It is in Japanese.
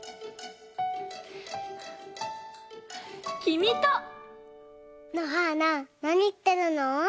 きみと！のはーななにいってるの？